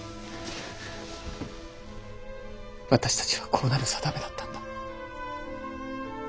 私達はこうなる定めだったんだ。